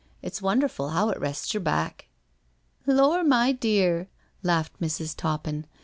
It's wonderful how it rests yer back." " Lor*, my dear,*' laughed Mrs. Toppin.